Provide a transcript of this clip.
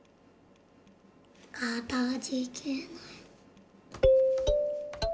「かたじけない」